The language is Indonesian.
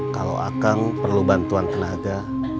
kalau akang perlu bantuan tenaga